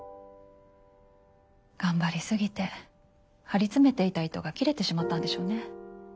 頑張りすぎて張り詰めていた糸が切れてしまったんでしょうね。